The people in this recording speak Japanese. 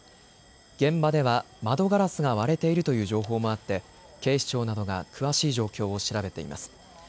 現場では窓ガラスが割れているという情報もあって警視庁などが詳しい状況を調べています。